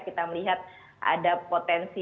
kita melihat ada potensi